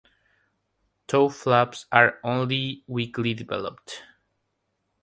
Toe flaps are only weakly developed.